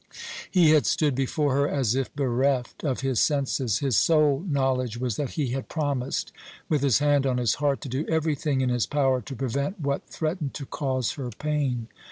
He had stood before her as if bereft of his senses. His sole knowledge was that he had promised, with his hand on his heart, to do everything in his power to prevent what threatened to cause her pain.